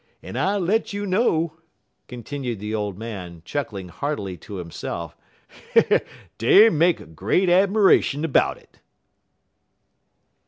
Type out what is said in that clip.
En I let you know," continued the old man, chuckling heartily to himself, "dey make great 'miration 'bout it."